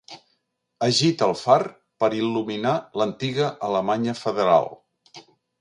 Agita el far per il·luminar l'antiga Alemanya Federal.